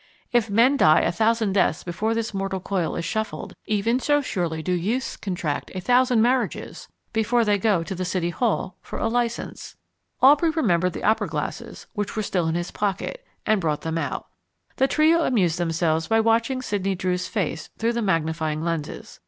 If men die a thousand deaths before this mortal coil is shuffled, even so surely do youths contract a thousand marriages before they go to the City Hall for a license. Aubrey remembered the opera glasses, which were still in his pocket, and brought them out. The trio amused themselves by watching Sidney Drew's face through the magnifying lenses.